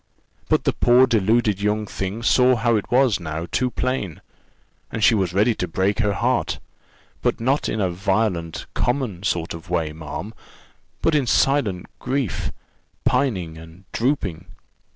But the poor deluded young thing saw how it was now too plain, and she was ready to break her heart; but not in a violent, common sort of way, ma'am, but in silent grief, pining and drooping.